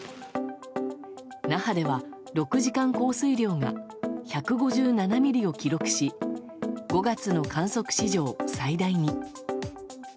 那覇では６時間降水量が１５７ミリを記録し５月の観測史上最大に。